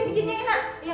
bikin yang enak